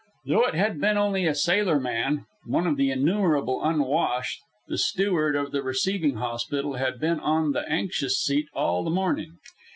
Though it had been only a sailorman, one of the innumerable unwashed, the steward of the receiving hospital had been on the anxious seat all the morning.